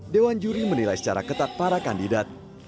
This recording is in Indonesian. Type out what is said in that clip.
dewan juri menilai secara ketat para kandidat